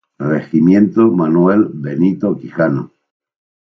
Regimiento Manuel Benito Quijano.